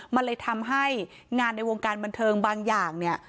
มันเลยทำให้งานในวงการบันเทิงบางอย่างเนี่ย